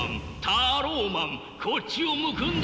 タローマンこっちを向くんだ。